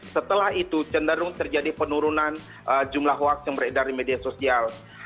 setelah itu cenderung terjadi penurunan jumlah hoax yang beredar di media sosial